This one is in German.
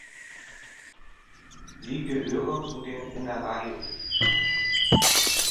Sie gehören zu den Innereien.